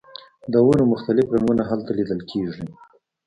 د ونو مختلف رنګونه هلته لیدل کیږي